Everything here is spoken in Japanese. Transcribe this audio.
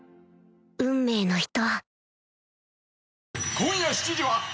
運命の人